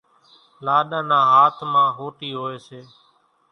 لاڏا نا هاٿ مان ۿوٽِي هوئيَ سي۔